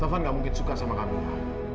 taufan gak mungkin suka sama camilla